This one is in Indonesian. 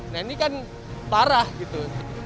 nah ini kan parah gitu